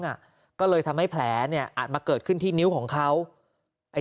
อ่ะก็เลยทำให้แผลเนี่ยอาจมาเกิดขึ้นที่นิ้วของเขาไอ้